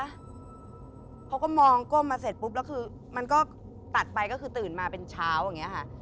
เขาก็มองก้มมาเสร็จปุ๊บแล้วคือมันก็ตัดไปก็คือตื่นมาเป็นเช้าอย่างนี้ค่ะ